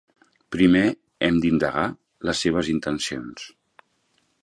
Primer hem d'indagar les seves intencions.